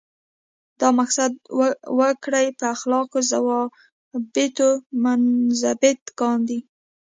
دا مقصد وګړي په اخلاقي ضوابطو منضبط کاندي.